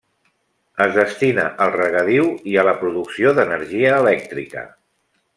Es destina al regadiu i a la producció d'energia elèctrica.